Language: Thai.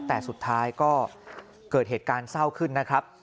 แต่สุดท้ายก็เกิดเหตุการณ์เศร้าขึ้นนะครับ